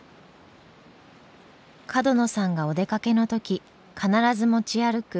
角野さんがお出かけの時必ず持ち歩く